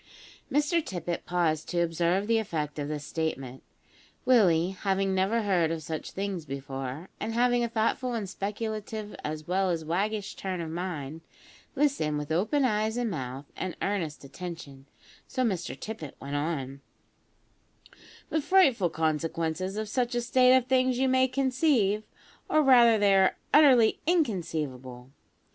Mr Tippet paused to observe the effect of this statement. Willie having never heard of such things before, and having a thoughtful and speculative as well as waggish turn of mind, listened with open eyes and mouth and earnest attention, so Mr Tippet went on: "The frightful consequences of such a state of things you may conceive, or rather they are utterly inconceivable.